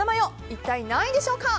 一体何位でしょうか。